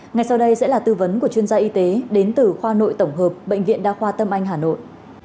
ngay sau đây sẽ là tư vấn của chuyên gia y tế đến từ khoa nội tổng hợp bệnh viện đa khoa tâm anh hà nội